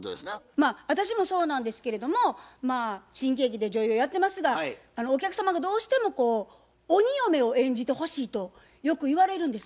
まあ私もそうなんですけれども新喜劇で女優やってますがお客様がどうしてもこう鬼嫁を演じてほしいとよく言われるんです。